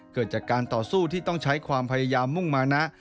เกิดจากการต่อสู้ที่ต้องใช้ความพยายามมุ่งมานะ